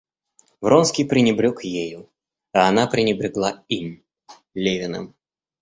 Вронский пренебрег ею, а она пренебрегла им, Левиным.